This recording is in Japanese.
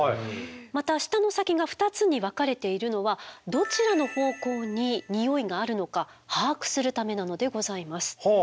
また舌の先が２つに分かれているのはどちらの方向にニオイがあるのか把握するためなのでございます。